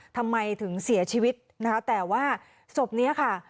ทำไมถึงเสียชีวิตนะคะแต่ว่าศพนี้ค่ะ